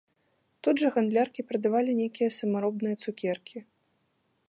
Тут жа гандляркі прадавалі нейкія самаробныя цукеркі.